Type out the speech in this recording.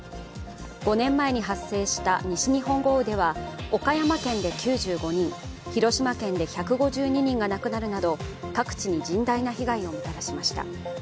５年前に発生した西日本豪雨では岡山県で９５人、広島県で１５２人が亡くなるなど各地に甚大な被害をもたらしました。